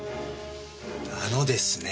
あのですね